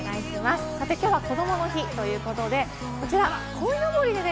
今日はこどもの日ということで、こちら、こいのぼりでね